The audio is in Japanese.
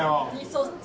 そっち？